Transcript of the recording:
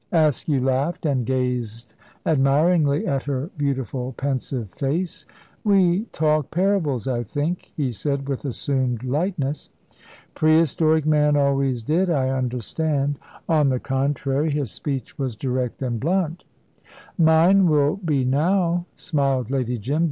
Askew laughed, and gazed admiringly at her beautiful, pensive face. "We talk parables, I think," he said, with assumed lightness. "Prehistoric man always did, I understand." "On the contrary, his speech was direct and blunt!" "Mine will be now," smiled Lady Jim.